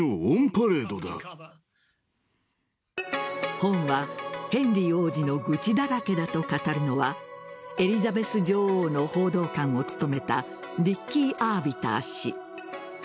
本は、ヘンリー王子の愚痴だらけだと語るのはエリザベス女王の報道官を務めたディッキー・アービター氏。